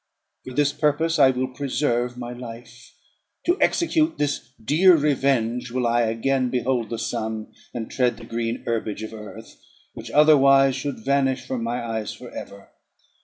For this purpose I will preserve my life: to execute this dear revenge, will I again behold the sun, and tread the green herbage of earth, which otherwise should vanish from my eyes for ever.